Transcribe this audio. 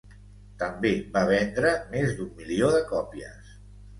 També va vendre més d'un milió de còpies.